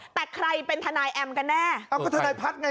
แต่ใครเป็นทนายแอมกันแน่อ้าวก็ทนายพัฒน์ไง